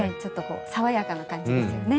爽やかな感じですよね。